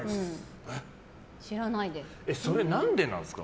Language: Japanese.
それ、何でなんですか？